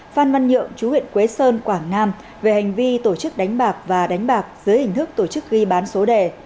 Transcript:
phan văn nhượng chú huyện quế sơn quảng nam về hành vi tổ chức đánh bạc và đánh bạc dưới hình thức tổ chức ghi bán số đề